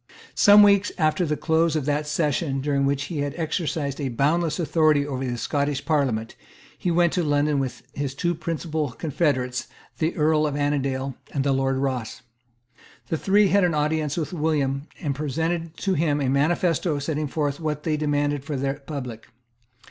Some weeks after the close of that session during which he had exercised a boundless authority over the Scottish Parliament, he went to London with his two principal confederates, the Earl of Annandale and the Lord Ross. The three had an audience of William, and presented to him a manifesto setting forth what they demanded for the public.